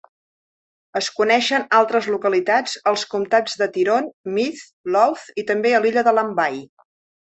Es coneixen altres localitats als comtats de Tyrone, Meath i Louth, i també a l'illa de Lambay.